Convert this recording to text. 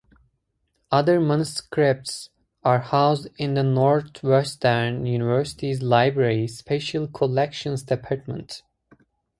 Other manuscripts are housed in the Northwestern University's Library special collections department.